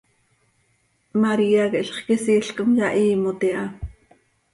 María quih zixquisiil com yahiimot iha.